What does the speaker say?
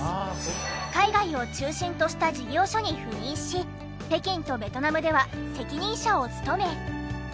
海外を中心とした事業所に赴任し北京とベトナムでは責任者を務め。